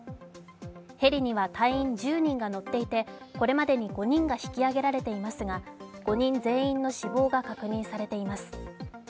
ヘリには隊員１０人が乗っていてこれまでに５人が引き揚げられていますが、５人全員の死亡が確認されています